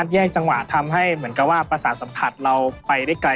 พบกับโชว์ของศิลป์สนามหาสนุกไม้เลข๒